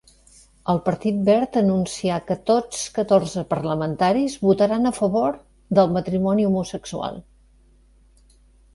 El Partit Verd anuncià que tots catorze parlamentaris votaran a favor del matrimoni homosexual.